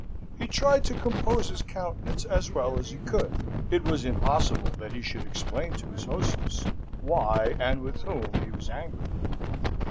He tried to compose his countenance as well as he could: it was impossible that he should explain to his hostess why and with whom he was angry.